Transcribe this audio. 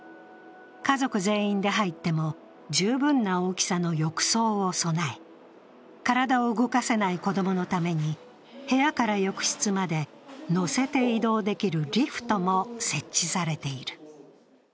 家族全員で入っても十分な大きさの浴槽を備え、体を動かせない子供のために、部屋から浴室まで乗せて移動できるリフトも設置されている。